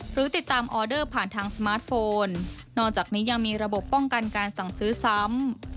หรือติดตามออเดอร์ผ่านทางสมาร์ทโฟนนอกจากนี้ยังมีระบบป้องกันการสั่งซื้อซ้ำ